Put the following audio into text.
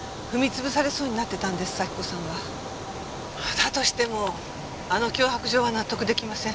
だとしてもあの脅迫状は納得できません。